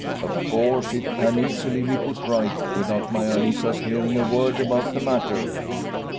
Of course, it can easily be put right without Maia Lisa's hearing a word about the matter."